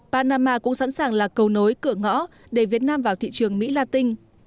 panama cũng sẵn sàng là cầu nối cửa ngõ để việt nam vào thị trường mỹ la tinh